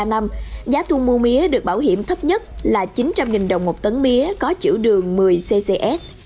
ba năm giá thu mua mía được bảo hiểm thấp nhất là chín trăm linh đồng một tấn mía có chữ đường một mươi ccs